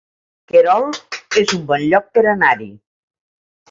Querol es un bon lloc per anar-hi